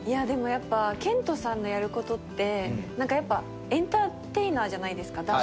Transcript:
でもやっぱケントさんのやることって何かやっぱエンターテイナーじゃないですか。